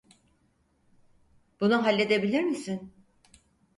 Bunu halledebilir misin?